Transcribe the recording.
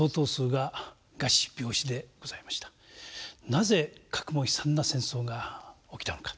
なぜかくも悲惨な戦争が起きたのか。